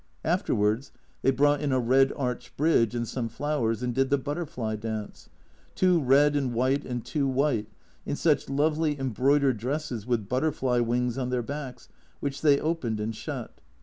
Afterwards they brought in a red arched bridge and some flowers, and did the butterfly dance two red and white and two white, in such lovely embroidered dresses with butterfly wings on their backs, which they opened and shut.